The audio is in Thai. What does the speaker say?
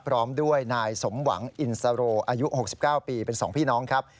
พร้อมด้วยนายสมหวังอินสโรอายุ๖๙ปีเป็น๒พี่น้องครับ